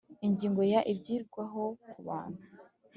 Ingingo ya Ibyitabwaho ku bantu